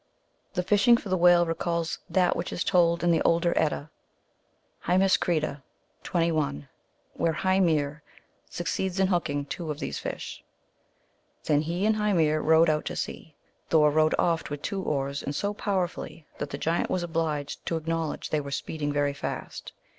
The fishing for the whale recalls that which is told in the Older Edda (Hymiskvida, 21), where Hymir succeeds in hooking two of these fish :" Then he and Hymir rowed out to sea. Thor rowed oft with two oars, and so powerfully that the giant was obliged to acknowledge they were speeding very fast.